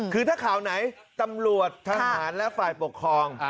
คือถ้าข่าวไหนตำรวจทหารและฝ่ายปกครอง